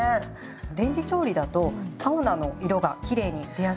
レンジ調理だと青菜の色がきれいに出やすいんですよ。